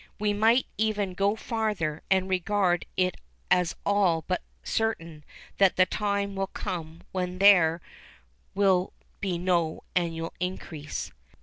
We might even go farther, and regard it as all but certain that the time will come when there will be no annual increase.